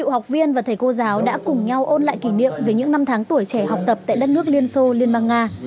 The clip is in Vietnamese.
học viên và thầy cô giáo đã cùng nhau ôn lại kỷ niệm về những năm tháng tuổi trẻ học tập tại đất nước liên xô liên bang nga